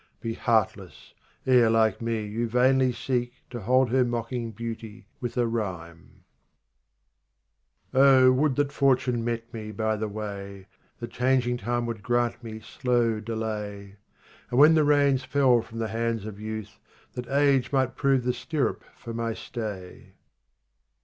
Be heartless, ere like me you vainly seek To hold her mocking beauty with a rhyme. 48 RUBAIYAT OF HAFIZ 36 Oh would that Fortune met me by the way, That changing Time would grant me slow delay, And when the reins fell from the hands of youth That Age might prove the stirrup for my stay.